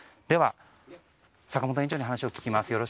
では、坂本園長に話を聞きます。